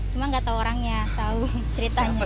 cuma nggak tau orangnya tau ceritanya